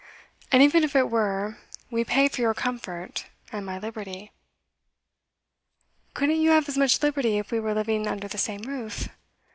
And even if it were we pay for your comfort, and my liberty.' 'Couldn't you have as much liberty if we were living under the same roof?